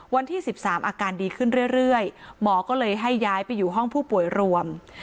วันที่๑๓อาการดีขึ้นเรื่อยหมอก็เลยให้ย้ายไปอยู่ห้องผู้ป่วยรวม